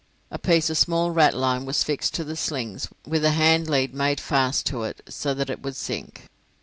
A piece of small ratline was fixed to the slings, with the handlead made fast to it so that it would sink.